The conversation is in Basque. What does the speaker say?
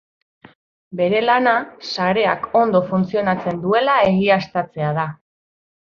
Bere lana sareak ondo funtzionatzen duela egiaztatzea da.